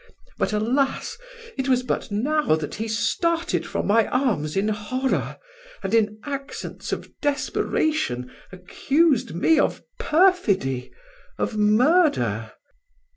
But, alas! it was but now that he started from my arms in horror, and, in accents of desperation, accused me of perfidy of murder.